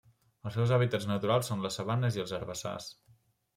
Els seus hàbitats naturals són les sabanes i els herbassars.